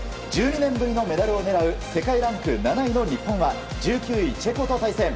１２年ぶりのメダルを狙う世界ランク７位の日本は１９位、チェコと対戦。